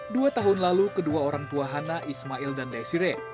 dua tahun lalu kedua orang tua hana ismail dan desire